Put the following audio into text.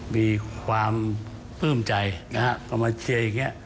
มีความพื้นใจมาเชียร์อย่างนี้